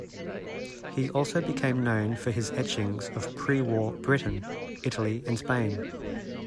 He also became known for his etchings of pre-war Britain, Italy and Spain.